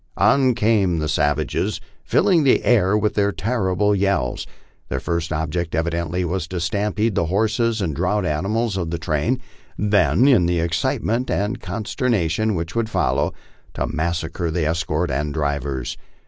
On came the savages, filling the air with their terrible yells. Their first object, evidently, was to stampede the horses and draught animals of the train ; then, in the excitement and consternation which would follow, to massacre the escort and drivers.